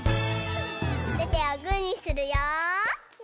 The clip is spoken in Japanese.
おててをグーにするよ。